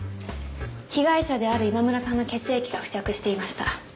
被害者である今村さんの血液が付着していました。